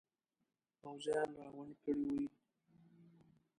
پوځیان را غونډ کړي وي.